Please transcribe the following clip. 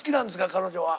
彼女は。